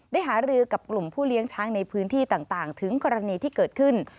หารือกับกลุ่มผู้เลี้ยงช้างในพื้นที่ต่างถึงกรณีที่เกิดขึ้น